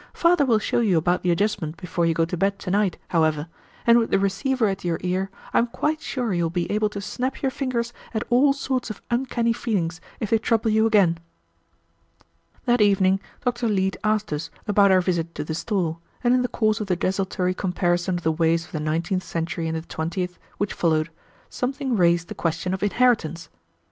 Father will show you about the adjustment before you go to bed to night, however; and with the receiver at your ear, I am quite sure you will be able to snap your fingers at all sorts of uncanny feelings if they trouble you again." That evening Dr. Leete asked us about our visit to the store, and in the course of the desultory comparison of the ways of the nineteenth century and the twentieth, which followed, something raised the question of inheritance.